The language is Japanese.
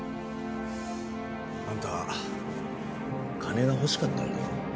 あんた金が欲しかったんだろ？